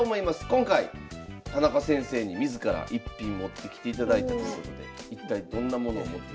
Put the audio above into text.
今回田中先生に自ら逸品持ってきていただいてますので一体どんなものを持ってきて。